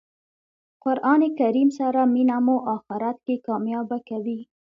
قران کریم سره مینه مو آخرت کښي کامیابه کوي.